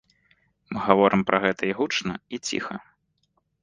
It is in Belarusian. Мы гаворым пра гэта і гучна, і ціха.